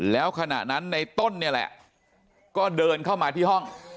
แล้วขณะนั้นในต้นเนี่ยแหละก็เดินเข้ามาที่ห้อง